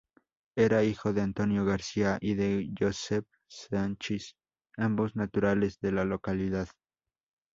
Era hijo de Antonio García y de Josepha Sanchiz, ambos naturales de la localidad.